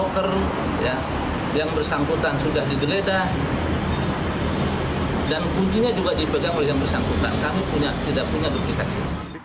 kami tidak punya duplikasi